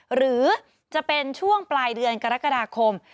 หรือจะเป็นช่วงปลายเดือนกรกฎาคม